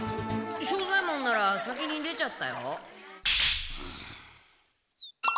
庄左ヱ門なら先に出ちゃったよ。